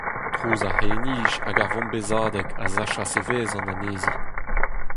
Trouz ar c'hirri-nij hag ar vombezadeg a sachas evezh an annezi.